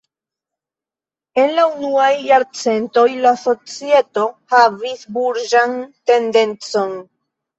En la unuaj jarcentoj la societo havis burĝan tendencon.